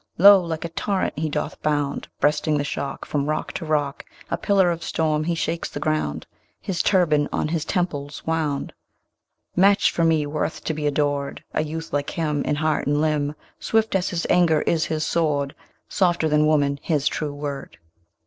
Lo! like a torrent he doth bound, Breasting the shock From rock to rock: A pillar of storm, he shakes the ground, His turban on his temples wound. Match me for worth to be adored A youth like him In heart and limb! Swift as his anger is his sword; Softer than woman his true word.